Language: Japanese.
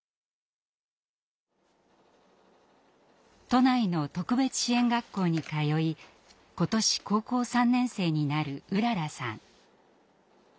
都内の特別支援学校に通い今年高校３年生になるうららさん。